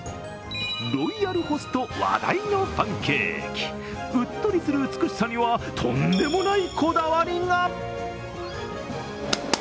ロイヤルホスト、話題のパンケーキうっとりする美しさには、とんでもないこだわりが。